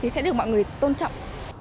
thì sẽ được mọi người tôn trọng